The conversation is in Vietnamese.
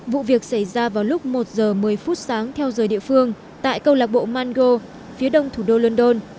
vụ việc xảy ra vào lúc một giờ một mươi phút sáng theo giờ địa phương tại câu lạc bộ mango phía đông thủ đô london